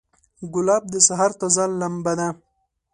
ګلاب د سحر تازه لمبه ده.